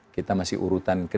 kita masih urutan ke dua belas